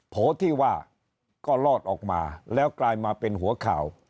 โผล่ที่ว่าก็รอดออกมาแล้วกลายมาเป็นหัวข่าว